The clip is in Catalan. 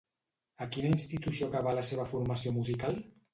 A quina institució acabà la seva formació musical?